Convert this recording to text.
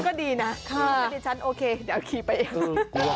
ก็ดีนะฉันโอเคเดี๋ยวเอาคีย์ไปเอง